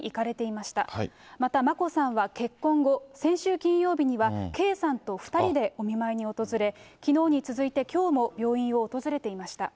また、眞子さんは結婚後、先週金曜日には、圭さんと２人でお見舞いに訪れ、きのうに続いてきょうも病院を訪れていました。